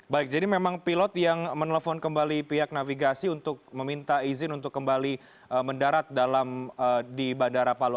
baik jadi memang pilot yang menelpon kembali pihak navigasi untuk meminta izin untuk kembali mendarat di bandara palu